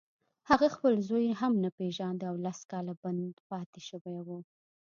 هغه خپل زوی هم نه پېژانده او لس کاله بند پاتې شو